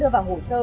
đưa vào hồ sơ